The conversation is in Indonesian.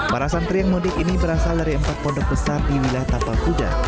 para santri yang mudik ini berasal dari empat pondok besar di wilayah tapal kuda